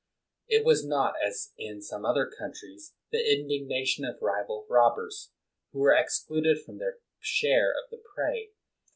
It was not, as in some other countries, the indignation of rival robbers, who were ex cluded from their share of the prey.